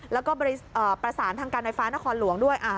แล้วก็ประสานทางการไฟฟ้านครหลวงด้วย